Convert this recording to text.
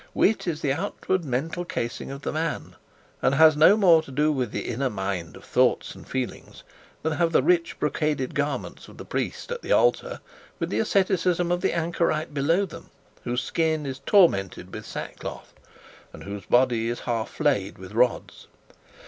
Wit is the outward mental casing of the man, and has no more to do with the inner mind of thought and feelings than have the rich brocaded garments of the priest at the altar with the asceticism of the anchorite below them, whose skin is tormented with sackcloth, and whose body is half flayed with rods.